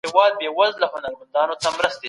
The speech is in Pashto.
لويه جرګه به د ملي ګټو ساتنه وکړي.